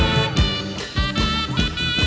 กลับไปที่นี่